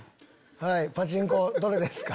パチンコどれですか。